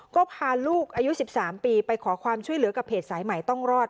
ก็พาลูกอายุ๑๓ปีไปขอความช่วยเหลือกับเพจสายใหม่ต้องรอด